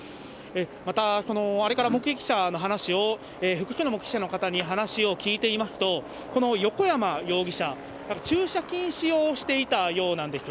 また、目撃者のお話を、複数の目撃者の方に話を聞いていますと、このよこやま容疑者、たぶん駐車禁止をしていたようなんです。